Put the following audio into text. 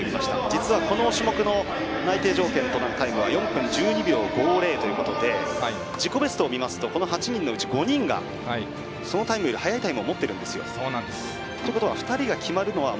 実は、この種目の内定条件となるタイムは４分１２秒５０ということで自己ベストを見ますと８人のうち５人がそのタイムより早いタイムを持っているんですよ。ということは２人が決まるのは。